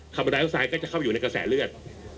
บอนไดออกไซด์ก็จะเข้าอยู่ในกระแสเลือด